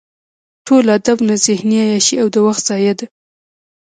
ټول ادب نه ذهني عیاشي او د وخت ضایع ده.